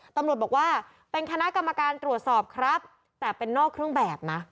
ตำรวจบอกว่าเป็นคณะกรรมการตรวจสอบครับแต่เป็นนอกเครื่องแบบนะ